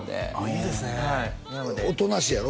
いいですねおとなしいやろ？